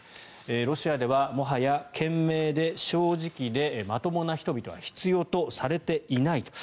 ロシアではもはや賢明で正直でまともな人々は必要とされていないと。